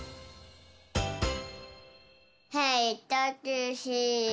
へいタクシー。